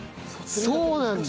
そうなんだ！